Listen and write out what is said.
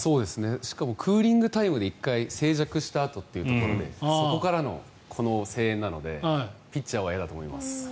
しかもクーリングタイムで１回静寂したあとということでそこからのこの声援なのでピッチャーは嫌だと思います。